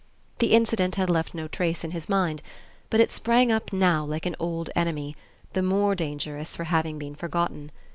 The incident had left no trace in his mind; but it sprang up now like an old enemy, the more dangerous for having been forgotten.